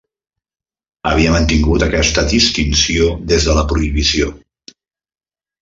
Havia mantingut aquesta distinció des de la prohibició.